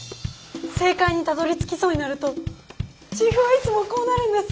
正解にたどりつきそうになるとチーフはいつもこうなるんです。